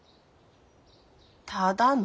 ただの。